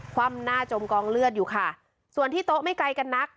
คว่ำหน้าจมกองเลือดอยู่ค่ะส่วนที่โต๊ะไม่ไกลกันนัก